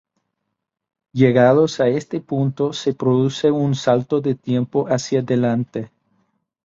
Llegados a este punto, se produce un salto de tiempo hacia delante.